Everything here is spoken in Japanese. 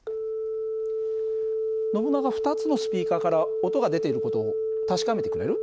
ノブナガ２つのスピーカーから音が出ている事を確かめてくれる？